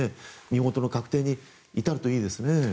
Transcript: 身元の確定に至るといいですね。